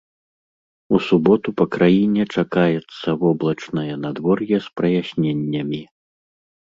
У суботу па краіне чакаецца воблачнае надвор'е з праясненнямі.